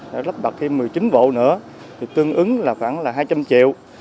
đã lắp bật thêm một mươi chín bộ nữa tương ứng là khoảng hai trăm linh triệu